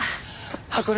箱根